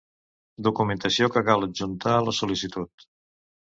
Documentació que cal adjuntar a la sol·licitud.